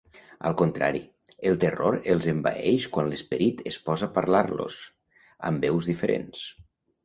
Al contrari, el terror els envaeix quan l'Esperit es posa a parlar-los, amb veus diferents.